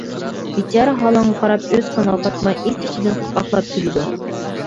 بىچارە ھالىڭغا قاراپ ئۆز قىنىغا پاتماي ئىچ-ئىچىدىن قاقاقلاپ كۈلىدۇ.